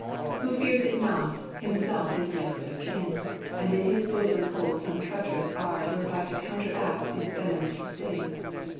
Who fears it not, himself is next of kin, And in his bosom holds some treacherous art Whereby to counteract its venomed sting.